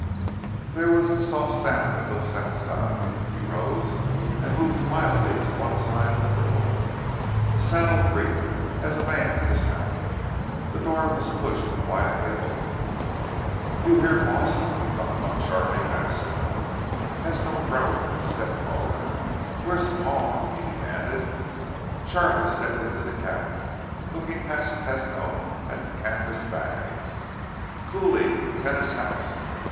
There was the soft sound of hoofs outside. He rose and moved quietly to one side of the door. A saddle creaked as a man dismounted. The door was pushed quietly open. "You here, Boss?" Muckamuck Charlie asked. Tesno groaned and stepped forward. "Where's Palma?" he demanded. Charlie stepped into the cabin, looking past Tesno at the canvas bags. "_Cooley tenas house.